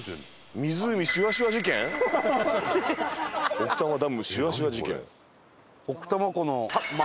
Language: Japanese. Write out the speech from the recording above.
奥多摩ダムシュワシュワ事件。